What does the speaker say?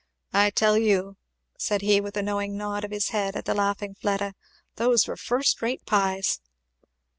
I tell you," said he with a knowing nod of his head at the laughing Fleda, "those were first rate pies!"